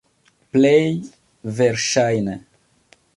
Plej verŝajne.